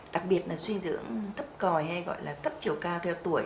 đặc biệt là suy dưỡng thấp còi hay gọi là cấp chiều cao theo tuổi